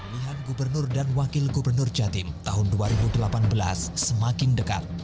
pilihan gubernur dan wakil gubernur jatim tahun dua ribu delapan belas semakin dekat